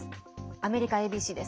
アメリカＡＢＣです。